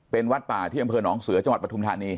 เป็นวัดป่าที่อำเภอหนองเสือจังหวัดปทุมธานี